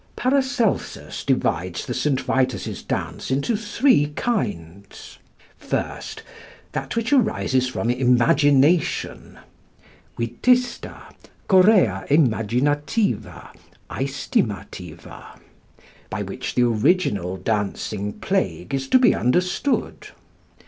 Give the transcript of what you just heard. Paracelsus divides the St. Vitus's dance into three kinds. First, that which arises from imagination (Vitista, Chorea imaginativa, aestimativa), by which the original Dancing Plague is to be understood.